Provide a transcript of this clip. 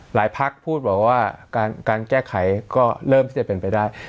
หลายภาคพูดว่าการแก้ไขก็เริ่มที่จะเป็นไปได้